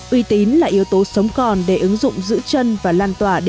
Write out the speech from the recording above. uy tín là yếu tố sống còn để ứng dụng giữ chân và làn tỏa đến mọi người